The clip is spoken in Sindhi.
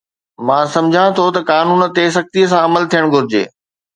مان سمجهان ٿو ته قانون تي سختي سان عمل ٿيڻ گهرجي